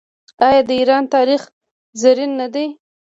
آیا د ایران تاریخ زرین نه دی؟